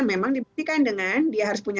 memang dibuktikan dengan